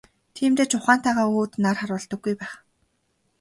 Тиймдээ ч ухаантайгаа өөд нар харуулдаггүй байх.